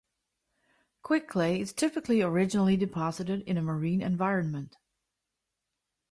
Quick clay is typically originally deposited in a marine environment.